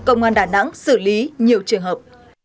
công an đà nẵng xử lý nhiều trường hợp